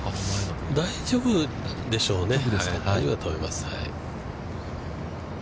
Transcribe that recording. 大丈夫でしょうね。